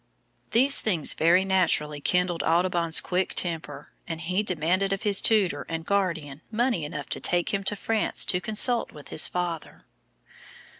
These things very naturally kindled Audubon's quick temper, and he demanded of his tutor and guardian money enough to take him to France to consult with his father.